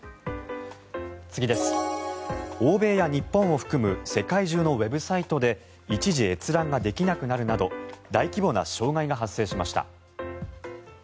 欧米や日本を含む世界中のウェブサイトで一時、閲覧ができなくなるなど大規模な障害が発生しました。